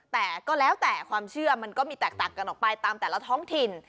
แต่ก็แล้วแต่ความเชื่อมันก็มีแตกต่างกันออกไปตามแต่ละท้องถิ่น